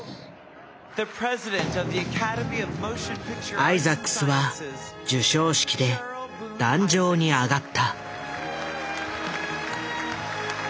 アイザックスは授賞式で壇上に上がった。